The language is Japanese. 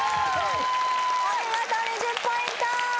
お見事２０ポイント